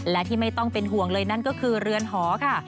และที่ไม่ต้องเป็นห่วงเลยนั่นก็คือเรือนหอค่ะ